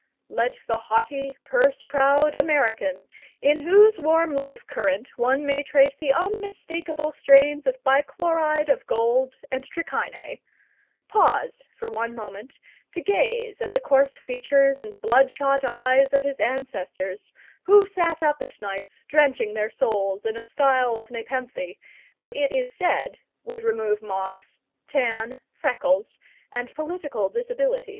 Let the haughty, purse proud American in whose warm life current one may trace the unmistakable strains of bichloride of gold and trichinae pause for one moment to gaze at the coarse features and bloodshot eyes of his ancestors, who sat up at nights drenching their souls in a style of nepenthe that it is said would remove moths, tan, freckles, and political disabilities.